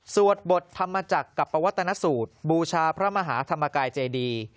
สวดบทธรรมโทรประวัตนสูตรบูชาพระมหาธรรมกายเจดี